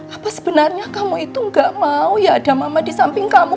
apa sebenarnya kamu itu gak mau ya ada mama di samping kamu